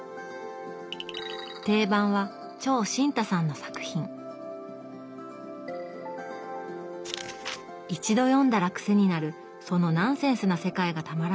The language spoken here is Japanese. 定番は長新太さんの作品一度読んだら癖になるそのナンセンスな世界がたまらないといいます。